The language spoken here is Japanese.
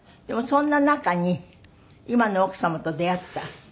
でもそんな中に今の奥様と出会った？